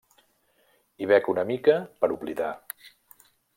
I bec una mica per oblidar.